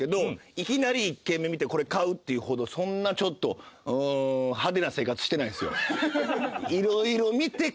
いきなり１軒目見て「これ買う」って言うほどそんなちょっと派手な生活してないんすよ。